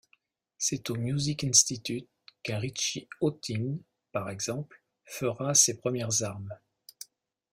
C'est au Music Institute qu'un Richie Hawtin, par exemple, fera ses premières armes.